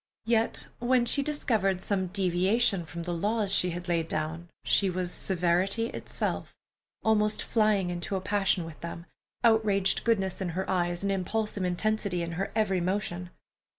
Yet when she discovered some deviation from the laws she had laid down, she was severity itself, almost flying into a passion with them, outraged goodness in her eyes, and impulsive intensity in her every motion.